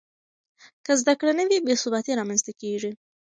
که زده کړه نه وي، بې ثباتي رامنځته کېږي.